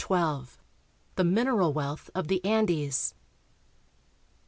95 XII. THE MINERAL WEALTH OF THE ANDES.